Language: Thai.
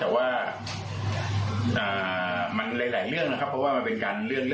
เราไม่รู้ว่าจะเกิดขึ้น